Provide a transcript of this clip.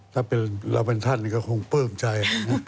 ถ้าเป็นเราเป็นท่านก็คงเปิ้มใจ